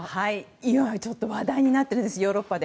今話題になっているんですヨーロッパで。